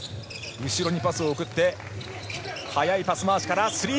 後ろにパスを送って、速いパス回しからスリー。